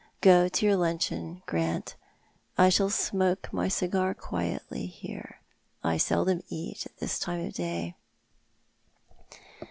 Go to your luncheon, Grant. I shall smoke my cigar quietly here. I seldom eat at this time of day."